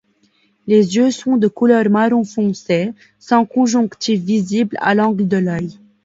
Les yeux sont de couleur marron foncé, sans conjonctive visible à l’angle de l’œil.